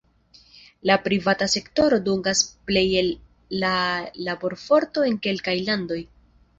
La privata sektoro dungas plej el la laborforto en kelkaj landoj.